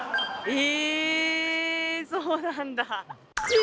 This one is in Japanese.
え？